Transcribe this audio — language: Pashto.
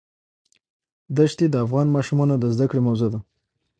ښتې د افغان ماشومانو د زده کړې موضوع ده.